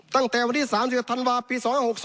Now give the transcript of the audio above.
ตั้งแต่วันที่๓๑ธันวาคมปี๒๖๒